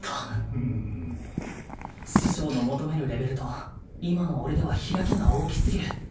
フフフ師匠の求めるレベルと今の俺では開きが大きすぎる